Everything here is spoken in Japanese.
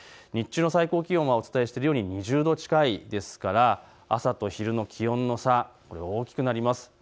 日中の最高気温は２０度近いですから朝と昼の気温の差が大きくなります。